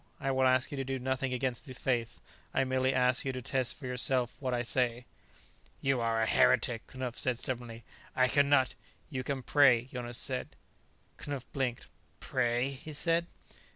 I will ask you to do nothing against the Faith; I will merely ask you to test for yourself what I say." "You are a heretic," Knupf said stubbornly. "I can not " "You can pray," Jonas said. Knupf blinked. "Pray?" he said.